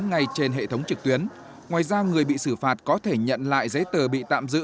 ngay trên hệ thống trực tuyến ngoài ra người bị xử phạt có thể nhận lại giấy tờ bị tạm giữ